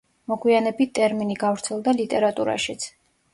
მოგვიანებით ტერმინი გავრცელდა ლიტერატურაშიც.